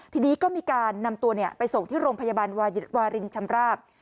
ทีนี้ก็มีการนำตัวไปส่งที่โรงพยาบาลวารินชำราบ